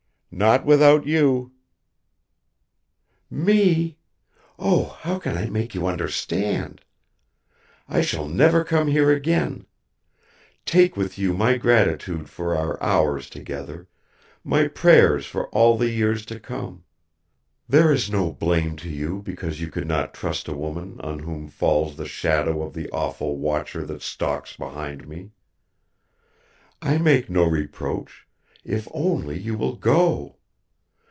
"Not without you." "Me? Oh, how can I make you understand! I shall never come here again. Take with you my gratitude for our hours together, my prayers for all the years to come. There is no blame to you because you could not trust a woman on whom falls the shadow of the awful Watcher that stalks behind me. I make no reproach if only you will go.